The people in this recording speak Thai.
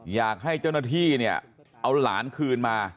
อยากให้เจ้าหน้าที่เนี่ยเอาหลานคืนมา